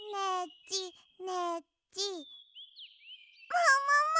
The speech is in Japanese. ももも！